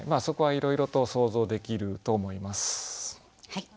そこはいろいろと想像できると思います。